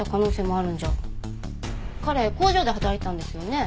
彼工場で働いてたんですよね？